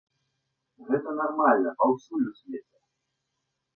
Гэта нармальна паўсюль у свеце.